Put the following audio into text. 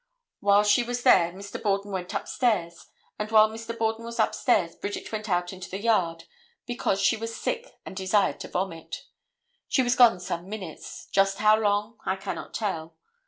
While she was there Mr. Borden went upstairs, and while Mr. Borden was upstairs Bridget went out into the yard, because she was sick and desired to vomit. She was gone some minutes, just how long I cannot tell.